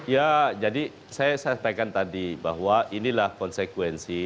ya jadi saya sampaikan tadi bahwa inilah konsekuensi